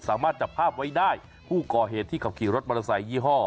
สามารถจับภาพไว้ได้ผู้ก่อเหตุที่ขับขี่รถมอเตอร์ไซคยี่ห้อ